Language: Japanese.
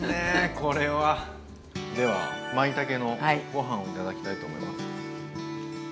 ではまいたけのご飯を頂きたいと思います。